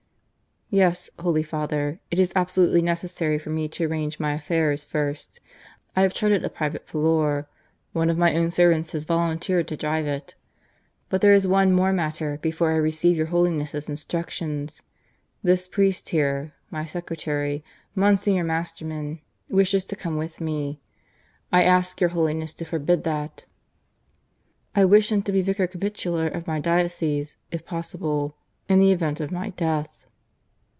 "Yes, Holy Father, it is absolutely necessary for me to arrange my affairs first. I have chartered a private volor. One of my own servants has volunteered to drive it. But there is one more matter before I receive your Holiness' instructions. This priest here, my secretary, Monsignor Masterman, wishes to come with me. I ask your Holiness to forbid that. I wish him to be Vicar Capitular of my diocese, if possible, in the event of my death."